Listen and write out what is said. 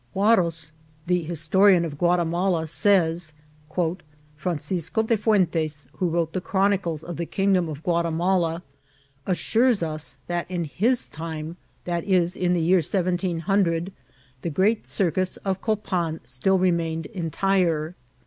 Huarrosy the historian of Ouatimala, says, '^Fran* CISCO de Fuentes, who wrote the Chronicles of the King* dcmi of Guatimakt, assures us that in his time, that is, in the year 1700, the great circus of Copan still re* mained entire.